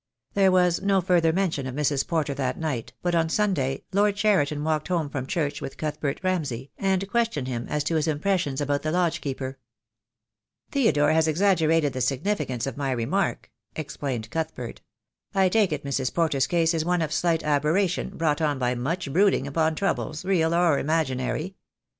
There was no further mention of Mrs. Porter that night, but on Sunday Lord Cheriton walked home from church with Cuthbert Ramsay, and questioned him as to his im pressions about the lodge keeper. "Theodore has exaggerated the significance of my re mark," explained Cuthbert. "I take it Mrs. Porter's case is one of slight aberration brought on by much brooding upon troubles, real or imaginary.